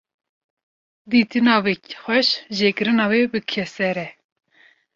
Dîtina wê xweş, jêkirina wê bi keser e